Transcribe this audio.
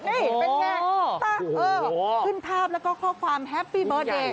นี่เป็นไงขึ้นภาพแล้วก็ข้อความแฮปปี้เบิร์ตเอง